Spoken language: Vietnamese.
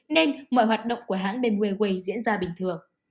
nên mọi hoạt động của hãng bambo airways diễn ra bình thường